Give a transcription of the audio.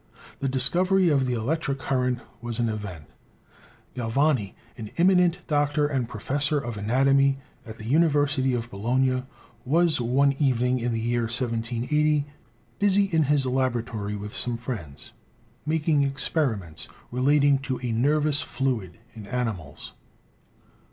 The discovery of the electric current was an event. Galvani, an eminent doctor and professor of anatomy at the University of Bologna, was, one evening in the year 1780, busy in his laboratory, with some friends, making experiments relating to a nervous fluid in animals.